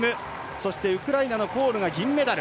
そしてウクライナのコールが銀メダル。